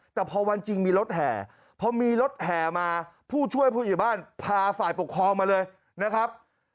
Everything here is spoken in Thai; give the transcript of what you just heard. แต่พอวันจริงมีรถแห่พอมีรถแห่มาผู้ช่วยผู้ใหญ่บ้านพาฝ่ายปกครองมาเลยนะครับ